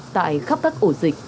tại khắp các ổ dịch